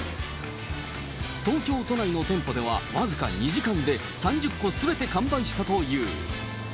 東京都内の店舗では、僅か２時間で３０個すべて完売したという。